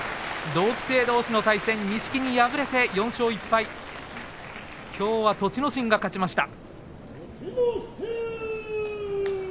同期生どうしの対戦錦木敗れて４勝１敗きょうは栃ノ心が勝ちました。